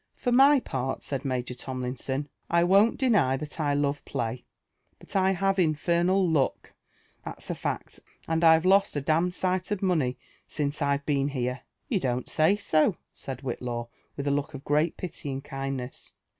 " For my part," said Major Tomlinson, /' I won't deny that I love play ; but I have infernal luck, that's a fact, and I've lost a d — d sight of money since I've been here." " You don't say sol" said Whitlaw with a look of great pity and kindness.